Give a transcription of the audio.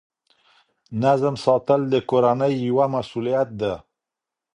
نظم ساتل د کورنۍ یوه مسؤلیت ده.